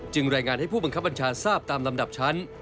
รายงานให้ผู้บังคับบัญชาทราบตามลำดับชั้น